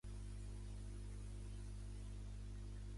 Quan designi destinataris, només serà obligatòria per a aquest.